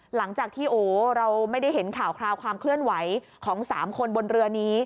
หลังจากที่โอ้เราไม่ได้เห็นข่าวคราวความเคลื่อนไหวของ๓คนบนเรือนี้